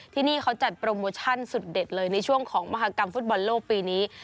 ที่นี่เขาจัดโปรโมชั่นสุดเด็ดเลยในช่วงของมหากรรมฟุตบอลโลกปีนี้